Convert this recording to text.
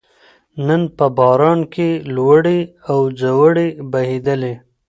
نن په باران کې لوړې او ځوړې وبهېدلې